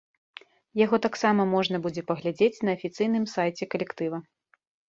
Яго таксама можна будзе паглядзець на афіцыйным сайце калектыва.